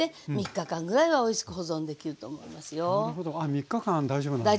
３日間大丈夫なんですね。